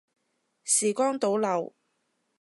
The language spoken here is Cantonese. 時光倒流